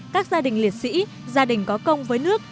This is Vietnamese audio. các gia đình liệt sĩ gia đình có công với nước